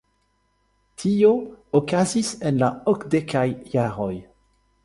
Tio okazis en la okdekaj jaroj.